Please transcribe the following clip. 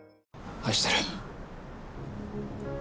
愛してる。